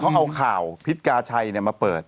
เขาเอาข่าวพิษกาชัยมาเปิด